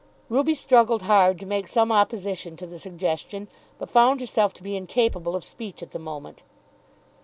Ruby struggled hard to make some opposition to the suggestion, but found herself to be incapable of speech at the moment.